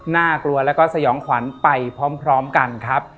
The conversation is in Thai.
น่ากลัวแล้วก็สยองขวัญไปพร้อมกันครับ